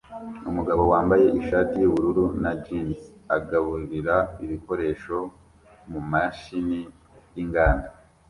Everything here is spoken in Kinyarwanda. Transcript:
Umugabo wambaye ishati yubururu na jans agaburira ibikoresho mumashini yinganda